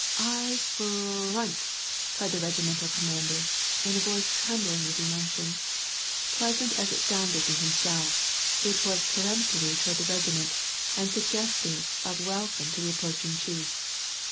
Eyes f r r r r ront !" cried the regimental commander, in a voice trembling with emotion ; pleasant as it sounded to him self, it was peremptory toward the regiment, and suggestive of welcome to the approaching chief.